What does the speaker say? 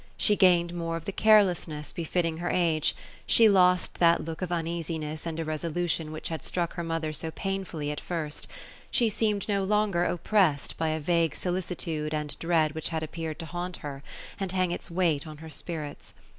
She gained more of the carelessness befitting her age ; she lost that look of uneasiness, and irresolution, which had struck her mother so painfully at first ; she seemed no longer oppressed by a vague solicitude and dread which had appeared to haunt her, and hang its weight on her spirits.